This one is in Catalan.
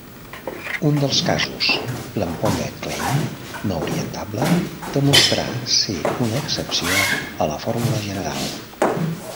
Un dels casos, l'ampolla Klein no orientable, demostrà ser una excepció a la fórmula general.